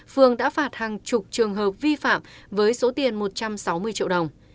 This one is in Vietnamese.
phương đã phạt hàng chục trường hợp vi phạm với số tiền một trăm sáu mươi triệu đồng